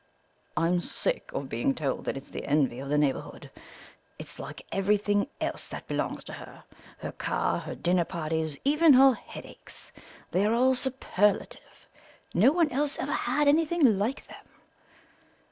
I'm sick of being told that it's the envy of the neighbourhood; it's like everything else that belongs to her—her car, her dinner parties, even her headaches, they are all superlative; no one else ever had anything like them.